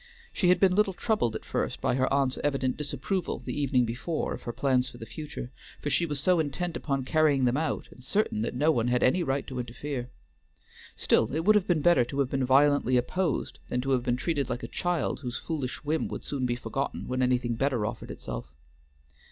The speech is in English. She had been little troubled at first by her aunt's evident disapproval the evening before of her plans for the future, for she was so intent upon carrying them out and certain that no one had any right to interfere. Still it would have been better to have been violently opposed than to have been treated like a child whose foolish whim would soon be forgotten when anything better offered itself.